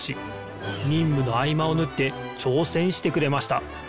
にんむのあいまをぬってちょうせんしてくれました。